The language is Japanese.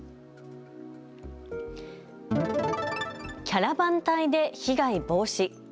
キャラバン隊で被害防止。